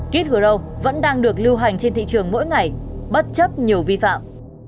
kikro vẫn đang được lưu hành trên thị trường mỗi ngày bất chấp nhiều vi phạm